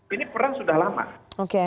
ini perang sudah lama